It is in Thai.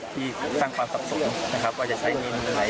ที่สร้างความสับสนนะครับว่าจะใช้เงินไทย